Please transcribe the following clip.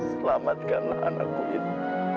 selamatkanlah anakku itu